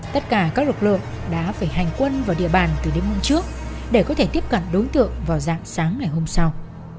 tất cả các lực lượng đã phải hành quân vào địa bàn từ đêm hôm trước để có thể tiếp cận đối tượng vào dạng sáng ngày hôm sau